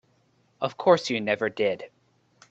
Of course you never did.